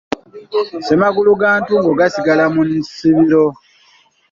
Ssemagulu ga ntungo gasigala mu ssibiro.